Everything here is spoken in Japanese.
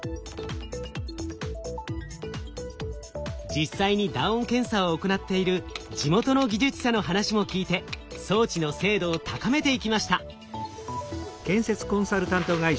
実際に打音検査を行っている地元の技術者の話も聞いて装置の精度を高めていきました。